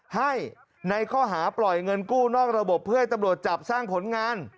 ให้ในข้อหาปล่อยเงินกู้นอกระบบเพื่อให้ตำรวจจับสร้างผลงาน